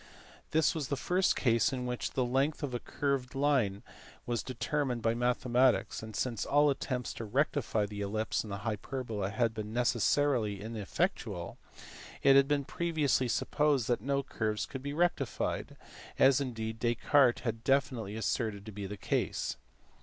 This was the first case 192 292 MATHEMATICS FROM DESCARTES TO HUYGENS. in which the length of a curved line was determined by mathematics, and since all attempts to rectify the ellipse and hyperbola had been (necessarily) ineffectual, it had been previously supposed that no curves could be rectified, . as indeed Descartes had definitely asserted to be the case.